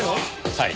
はい。